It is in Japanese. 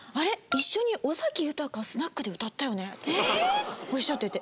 一緒に尾崎豊スナックで歌ったよね？とかっておっしゃってて。